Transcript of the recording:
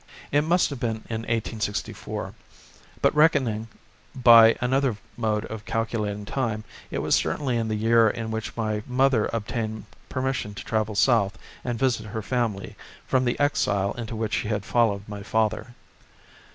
It must have been in 1864, but reckoning by another mode of calculating time, it was certainly in the year in which my mother obtained permission to travel south and visit her family, from the exile into which she had followed my father.